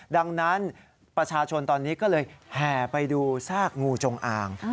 ดังนั้นประชาชนตอนนี้ก็เลยแห่ไปดูซากงูจงอ่าง